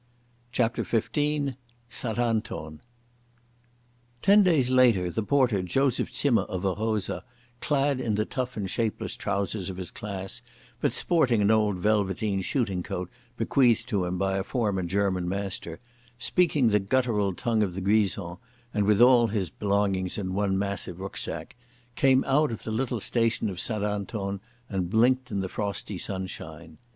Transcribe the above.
CHAPTER XV St Anton Ten days later the porter Joseph Zimmer of Arosa, clad in the tough and shapeless trousers of his class, but sporting an old velveteen shooting coat bequeathed to him by a former German master—speaking the guttural tongue of the Grisons, and with all his belongings in one massive rucksack, came out of the little station of St Anton and blinked in the frosty sunshine.